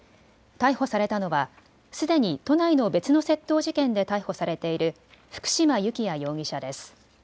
逮捕されたのはすでに都内の別の窃盗事件で逮捕されている福嶋幸也容疑者です。